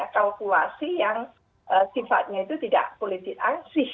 kalkulasi yang sifatnya itu tidak politik ansih